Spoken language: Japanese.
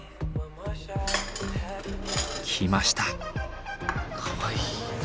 来ました。